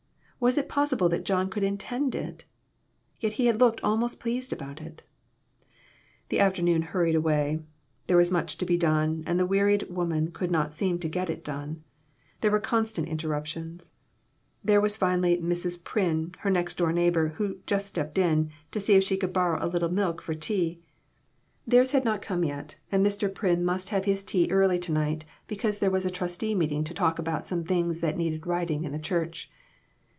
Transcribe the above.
Was it possible that John could intend it? Yet he had looked almost pleased about it. The afternoon hurried away. There was much to be done and the wearied woman could not seem to get it done. There were constant interruptions. There was finally Mrs. Pryn, her next door neigh bor, who "just stepped in" to see if she could borrow a little milk for tea ; theirs had not come yet, and Mr. Pryn must have his tea early BONNETS, AND BURNS, AND BURDENS. 93 to night, because there was a trustee meeting to talk about some things that needed righting in the church.